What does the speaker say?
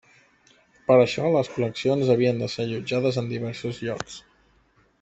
Per això, les col·leccions havien de ser allotjades en diversos llocs.